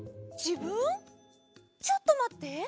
ちょっとまって。